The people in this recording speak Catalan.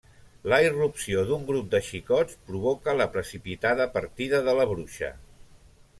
La irrupció d'un grup de xicots provoca la precipitada partida de la bruixa.